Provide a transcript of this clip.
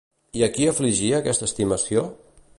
I a qui afligia aquesta estimació?